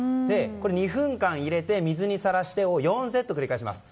２分間入れて、水にさらしてを４セット繰り返します。